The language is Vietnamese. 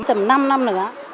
tầm năm năm nữa